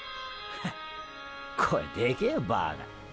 へっ声でけぇよバァカ。